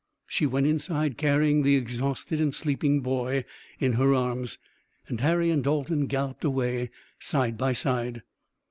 She went inside, carrying the exhausted and sleeping boy in her arms, and Harry and Dalton galloped away side by side.